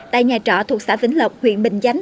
tại nhà trọ thuộc xã vĩnh lộc huyện bình chánh